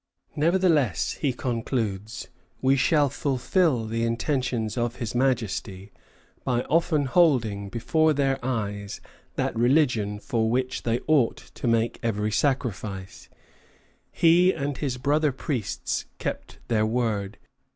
"Nevertheless," he concludes, "we shall fulfil the intentions of his Majesty by often holding before their eyes that religion for which they ought to make every sacrifice." He and his brother priests kept their word.